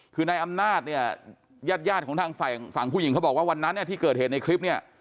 คือนายอำนาจเนี่ยญาติของทางฝั่งผู้หญิงเขาบอกว่าวันนั้นเนี่ยที่เกิดเหตุในคลิปเนี่ย